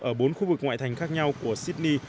ở bốn khu vực ngoại thành khác nhau của sydney